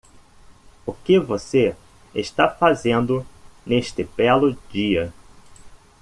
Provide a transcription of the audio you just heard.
O que você está fazendo neste belo dia?